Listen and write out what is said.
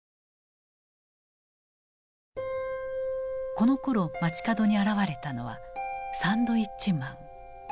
このころ街角に現れたのはサンドイッチマン。